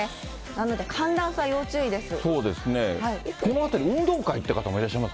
なので寒暖差要注意です。